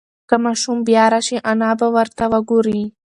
که ماشوم بیا راشي انا به ورته وگوري.